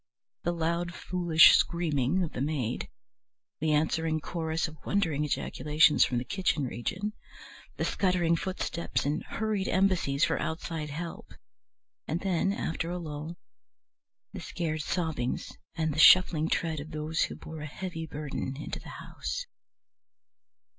The loud foolish screaming of the maid, the answering chorus of wondering ejaculations from the kitchen region, the scuttering footsteps and hurried embassies for outside help, and then, after a lull, the scared sobbings and the shuffling tread of those who bore a heavy burden into the house.